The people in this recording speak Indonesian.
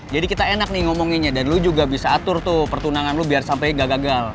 jadi kita enak nih ngomonginnya dan lo juga bisa atur tuh pertunangan lo biar sampe gak gagal